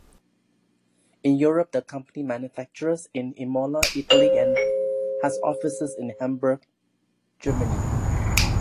In Europe, the company manufactures in Imola, Italy and has offices in Hamburg, Germany.